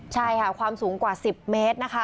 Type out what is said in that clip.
ใช่ค่ะความสูงกว่า๑๐เมตรนะคะ